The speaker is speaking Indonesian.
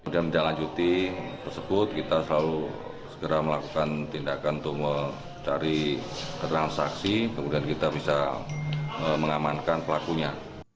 dalam jalan cuti tersebut kita selalu segera melakukan tindakan untuk mencari transaksi kemudian kita bisa mengamankan pelakunya